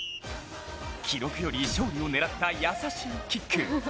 記録より勝利を狙った優しいキック。